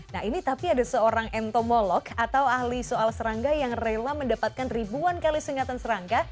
nah ini tapi ada seorang entomolog atau ahli soal serangga yang rela mendapatkan ribuan kali sengatan serangka